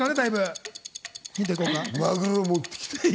マグロ持ってきた。